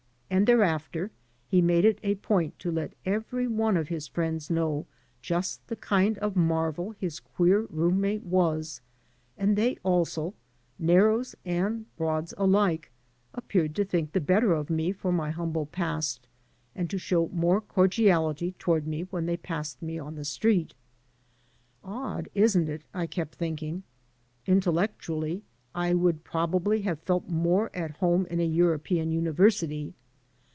And thereafter he made it a point to let every one of his friends know just the kind of marvel his queer room mate was, and they also — "narrows" and "broads" alike — ^appeared to think the better of me for my humble past and to show more cordiality toward me when they passed me on the street. "Odd, isn't it?" I kept thinking. Intellectually I would probably have felt more at home, in a European university.